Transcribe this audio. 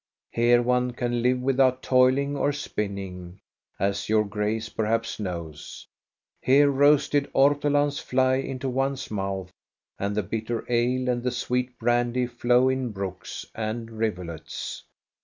Here one can live without toiling or spinning, as your Grace perhaps knows. Here roasted ortolans fly into one's mouth, and the bitter ale and the sweet brandy flow in brooks and rivulets.